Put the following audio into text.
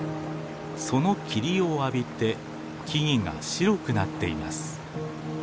その霧を浴びて木々が白くなっています。